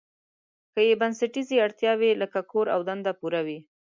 که یې بنسټیزې اړتیاوې لکه کور او دنده پوره وي.